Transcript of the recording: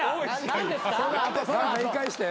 何か言い返して。